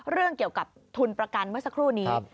เรื่องเกี่ยวกับทุนประกันเมื่อสักครู่นี้